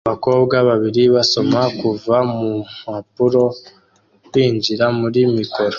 Abakobwa babiri basoma kuva mu mpapuro binjira muri mikoro